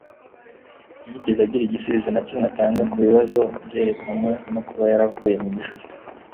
Ntiyigeze agira igisubizo na kimwe atanga ku bibazo byerekeranye no kuba yaravuye mu ijuru,